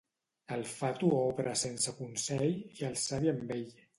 El fatu obra sense consell i el savi amb ell.